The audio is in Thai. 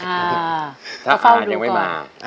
ถ้าอาจะยังไม่มา